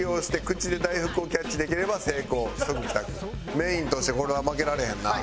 メインとしてこれは負けられへんな。